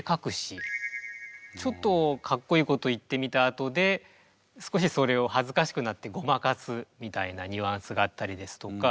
ちょっとかっこいいこと言ってみたあとで少しそれを恥ずかしくなってごまかすみたいなニュアンスがあったりですとか。